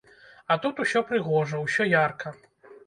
А тут усё прыгожа, усё ярка.